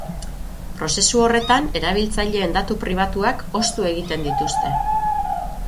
Prozesu horretan, erabiltzaileen datu pribatuak ostu egiten dituzte.